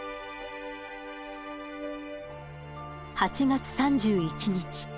８月３１日。